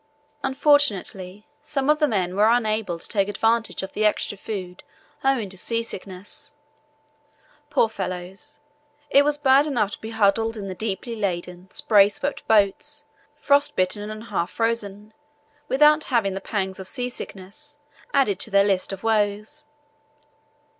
Unfortunately, some of the men were unable to take advantage of the extra food owing to seasickness. Poor fellows, it was bad enough to be huddled in the deeply laden, spray swept boats, frost bitten and half frozen, without having the pangs of seasickness added to the list of their woes.